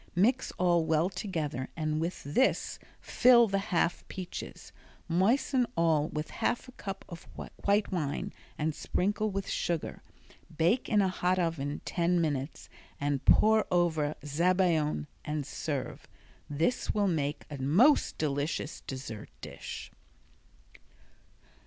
Mix all well together and with this fill the half peaches. Moisten all with half a cup of white wine and sprinkle with sugar. Bake in a hot oven ten minutes and pour over zabaione and serve. This will make a most delicious dessert dish.